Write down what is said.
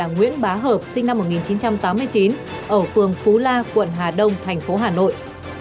nguyễn bá hợp sinh năm một nghìn chín trăm tám mươi chín ở phường phú la quận hà đông thành phố hà nội